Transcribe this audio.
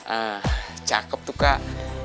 ah cakep tuh kak